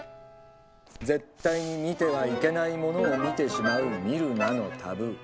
絶対に見てはいけないものを見てしまう「見るな」のタブー。